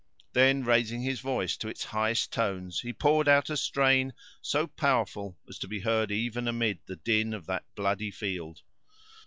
Then raising his voice to its highest tone, he poured out a strain so powerful as to be heard even amid the din of that bloody field.